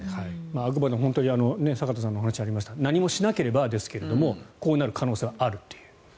あくまでも本当に坂田さんのお話にもありましたが何もしなければですがこうなる可能性はあると。